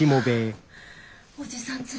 おじさん